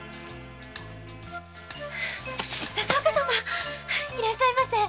佐々岡様‼いらっしゃいませ。